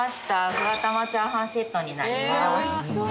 ふわ玉チャーハンセットになります。